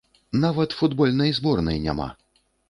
Нават футбольнай зборнай няма!